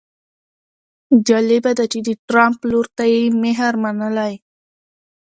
جالبه ده چې د ټرمپ لور ته یې مهر منلی.